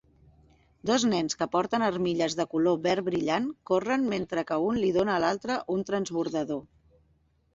Dos nens que porten armilles de color verd brillant corren mentre que un li dóna a l'altre un transbordador.